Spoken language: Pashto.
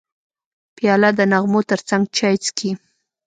پیاله د نغمو ترڅنګ چای څښي.